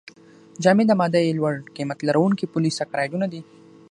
جامد ماده یې لوړ قیمت لرونکي پولې سکرایډونه دي.